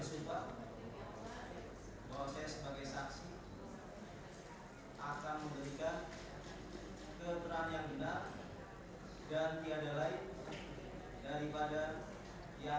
kepada rakan rakan wangkawan ketika mengambil foto jangan memakai vis karena mengganggu ya